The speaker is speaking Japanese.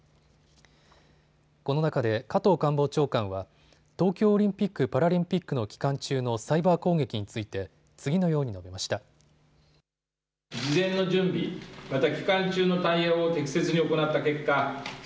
この中で加藤官房長官は東京オリンピック・パラリンピックの期間中のサイバー攻撃について次のように述べました。